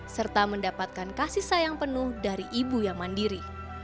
serta mendapatkan kasih sayang penuh dari ibu yang mandiri